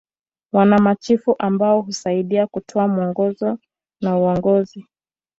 Wana machifu ambao husaidia kutoa mwongozo na uongozi.